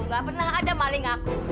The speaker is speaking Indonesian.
gak pernah ada maling aku